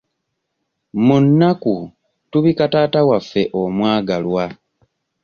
Mu nnaku, tubika taata waffe omwagalwa.